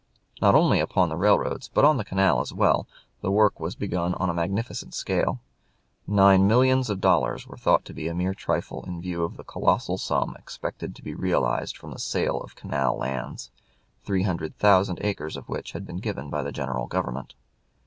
Not only upon the railroads, but on the canal as well, the work was begun on a magnificent scale. Nine millions of dollars were thought to be a mere trifle in view of the colossal sum expected to be realized from the sale of canal lands, three hundred thousand acres of which had been given by the general Government.